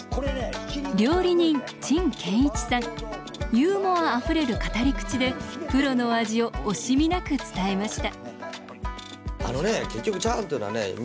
ユーモアあふれる語り口でプロの味を惜しみなく伝えました。